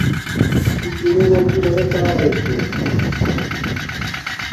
کݵ چُنݺ نݸ کݵ بَڑݺ تݳرݺ چھݺ.